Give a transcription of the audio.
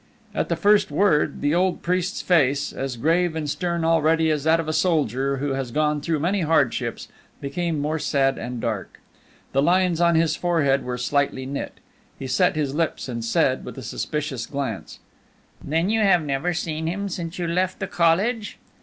At the first word, the old priest's face, as grave and stern already as that of a soldier who has gone through many hardships, became more sad and dark; the lines on his forehead were slightly knit, he set his lips, and said, with a suspicious glance: "Then you have never seen him since you left the College?"